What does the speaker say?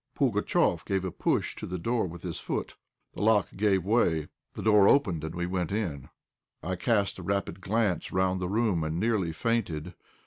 Pugatchéf gave a push to the door with his foot, the lock gave way, the door opened, and we went in. I cast a rapid glance round the room and nearly fainted.